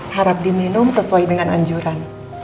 harap diminum sesuai dengan anjuran